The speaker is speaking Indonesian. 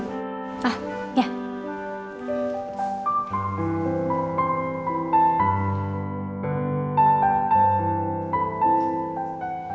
gapain masih di sini